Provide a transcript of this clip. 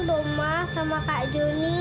rumah sama kak juni